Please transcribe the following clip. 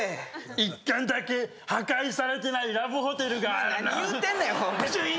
１軒だけ破壊されてないラブホテルがあるのお前何言うてんねんビシーン